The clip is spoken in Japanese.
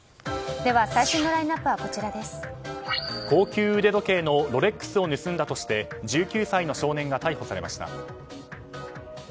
高級腕時計のロレックスを盗んだとして１９歳の少年が逮捕されました。